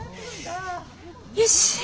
よし！